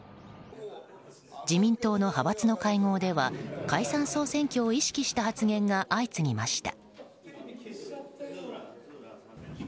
自民党の派閥の会合では解散・総選挙を意識した発言が相次ぎました。